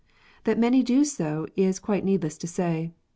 That many do so it is quite needless to say.